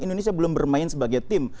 indonesia belum bermain sebagai tim